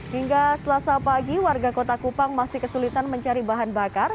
hingga selasa pagi warga kota kupang masih kesulitan mencari bahan bakar